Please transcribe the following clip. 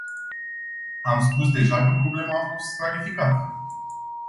Am spus deja că problema a fost clarificată.